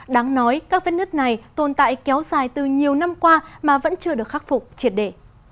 đáng nói các vết nứt này tồn tại kéo dài từ nhiều năm qua mà vẫn chưa được khắc phục triệt để